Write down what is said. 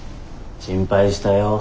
心配したよ。